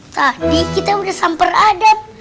tadi kita udah samper adam